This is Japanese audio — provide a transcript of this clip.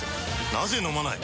なぜ飲まない？